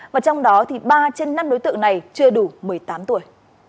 và trong đó thì ba trên năm đối tượng này chưa đủ một mươi tám tuổi